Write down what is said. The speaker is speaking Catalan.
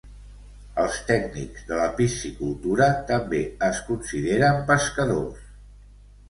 Els tècnics de la piscicultura també es consideren pescadors.